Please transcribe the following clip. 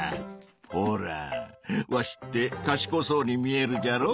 ほらぁわしってかしこそうに見えるじゃろ？